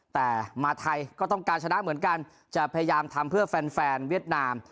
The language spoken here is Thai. แต่มาไทยก็ต้องการชนะเหมือนกันจะพยายามทำเพื่อแฟนแฟนเวียดนาม